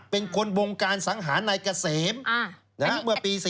เป็นคนบงการสังหารนายเกษมเมื่อปี๔